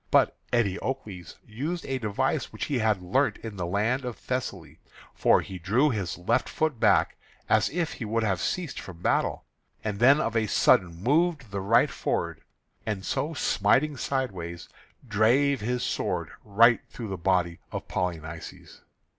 But Eteocles used a device which he had learnt in the land of Thessaly; for he drew his left foot back, as if he would have ceased from the battle, and then of a sudden moved the right forward; and so smiting sideways, drave his sword right through the body of Polynices.